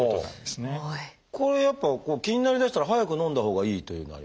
これやっぱ気になりだしたら早くのんだほうがいいというのは？